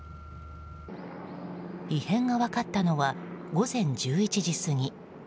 異変が分かったのは午前１１時過ぎ。